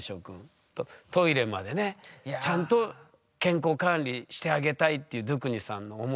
トイレまでねちゃんと健康管理してあげたいっていうドゥクニさんの思い。